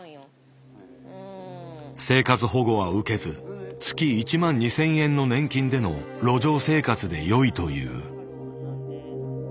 生活保護は受けず月１万２，０００円の年金での路上生活でよいという。